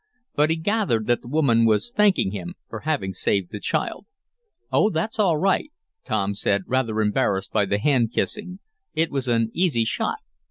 But he gathered that the woman was thanking him for having saved the child. "Oh, that's all right," Tom said, rather embarrassed by the hand kissing. "It was an easy shot."